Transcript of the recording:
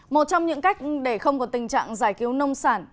một trong những cách để không còn tình trạng giải cứu nông sản